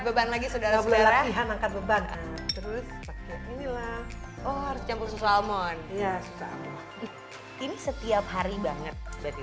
beban lagi sudah boleh latihan angkat beban terus ini lah or campur salmon ini setiap hari banget